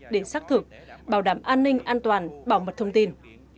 để xác thực bảo đảm an ninh an toàn bảo mật thông tin